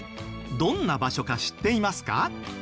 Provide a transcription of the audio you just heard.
どんな場所か知っていますか？